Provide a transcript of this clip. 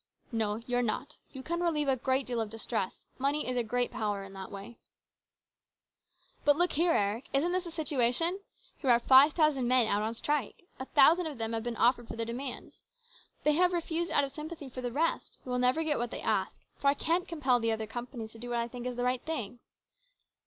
" No, you're not. You can relieve a great deal of distress. Money is a great power in that way." " But look here, Eric. Isn't this the situation ? Here are five thousand men out on strike. A thousand of them have been offered their demands. They have refused out of sympathy for the rest, who will never get what they ask, for I can't compel the other companies to do what I think is the right thing.